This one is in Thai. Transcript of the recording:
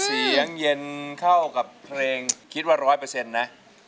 สีเคี่ยงเย็นเข้ากับเพลงแล้วยกิดว่ารอยเปอร์เซ็นต์นะ